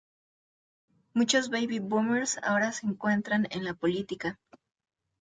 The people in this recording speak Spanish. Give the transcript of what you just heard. Muchos "baby boomers" ahora se encuentran en la política.